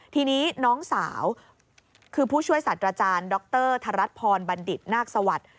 ทีนี้น้องสาวคือผู้ช่วยศาสตราจารย์ดรธรัศนพรบัณฑิตนาคสวัสดิ์